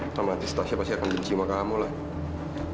otomatis asia pasti akan benci sama kamu lah